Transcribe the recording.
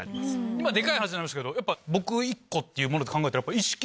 今デカい話になりましたけどやっぱ僕１個っていうもので考えたら。